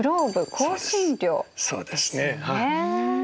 そうですねはい。